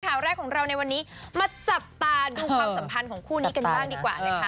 ข่าวแรกของเราในวันนี้มาจับตาดูความสัมพันธ์ของคู่นี้กันบ้างดีกว่านะคะ